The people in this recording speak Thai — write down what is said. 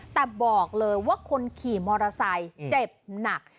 แต่บอกเลยว่าคนขี่มอเตอร์ไซค์เจ็บหนัก